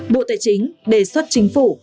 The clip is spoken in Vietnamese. bộ tài chính đề xuất chính phủ